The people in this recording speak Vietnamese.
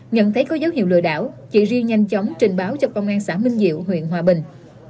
nhận thấy có dấu hiệu lừa đảo chị riêng nhanh chóng trình báo cho công an xã minh diệu huyện hòa bình